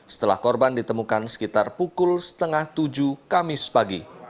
setelah korban ditemukan sekitar pukul setengah tujuh kamis pagi